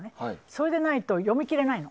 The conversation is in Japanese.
それでないと読み切れない。